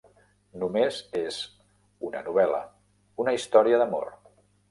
Només és una novel·la, una història d'amor.